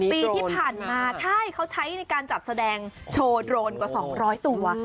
ปีที่ผ่านมาใช่เขาใช้ในการจัดแสดงโชว์โดรนกว่า๒๐๐ตัว